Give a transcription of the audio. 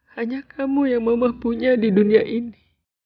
hanya kamu yang mama punya di dunia ini